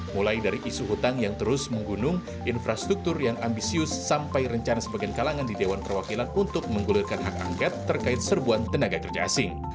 mulai dari isu hutang yang terus menggunung infrastruktur yang ambisius sampai rencana sebagian kalangan di dewan perwakilan untuk menggulirkan hak angket terkait serbuan tenaga kerja asing